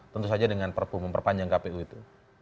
tentu saja dengan perpu memperpanjang kpu itu